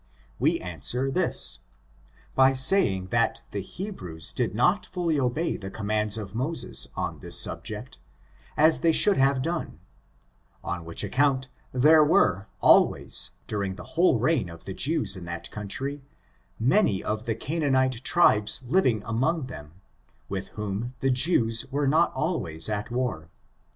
We answer this, by saying that the Hebrews did not fully obey die conunands of Moses on this subject as they should have done; on which account, there were, alwayi^ during the whole reign of the Jews in that conntzy, many of (ho ("anaanite tribes living among theoSi with whom tho Jews were not always at war.